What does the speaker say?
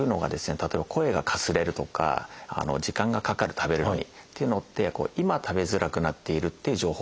例えば「声がかすれる」とか「時間がかかる食べるのに」っていうのって今食べづらくなっているっていう情報ですよね。